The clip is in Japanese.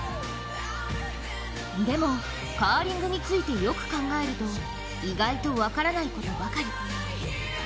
でも、カーリングについてよく考えると意外と分からないことばかり。